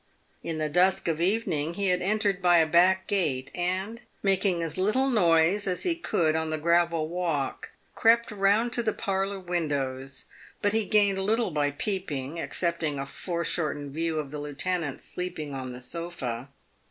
In the dusk of evening he had entered by a back gate, and, making as little noise as he could on the gravel walk, crept round to the parlour windows, bub he gained little by peeping, excepting a foreshortened view of the lieu tenant sleeping on the sofa.